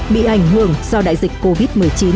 bị ảnh hưởng do đại dịch covid một mươi chín